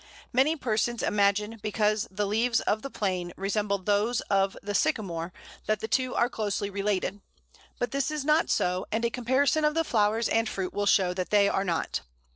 Many persons imagine because the leaves of the Plane resemble those of the Sycamore that the two are closely related; but this is not so, and a comparison of the flowers and fruit will show that they are not.